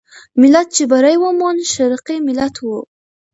ملت چې بری وموند، شرقي ملت وو.